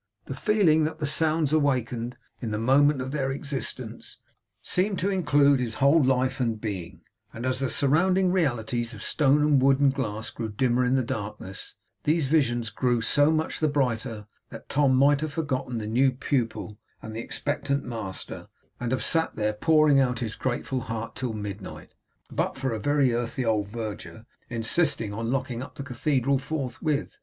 The feeling that the sounds awakened, in the moment of their existence, seemed to include his whole life and being; and as the surrounding realities of stone and wood and glass grew dimmer in the darkness, these visions grew so much the brighter that Tom might have forgotten the new pupil and the expectant master, and have sat there pouring out his grateful heart till midnight, but for a very earthy old verger insisting on locking up the cathedral forthwith.